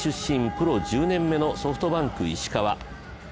プロ１０年目のソフトバンク・石川。